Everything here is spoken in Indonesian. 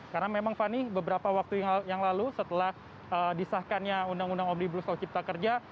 karena memang fani beberapa waktu yang lalu setelah disahkannya undang undang omnibus law cipta kerja